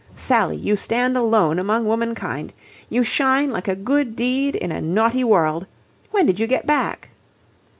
Sally, you stand alone among womankind. You shine like a good deed in a naughty world. When did you get back?"